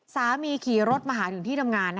ขี่รถมาหาถึงที่ทำงาน